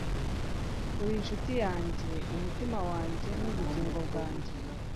uri inshuti yanjye, umutima wanjye, nubugingo bwanjye